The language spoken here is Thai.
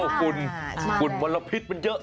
โอ้คุณคุณมันรับพิษมันเยอะ